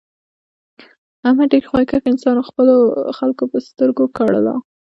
احمد ډېر خواریکښ انسان و خلکو په سترگو کړلا.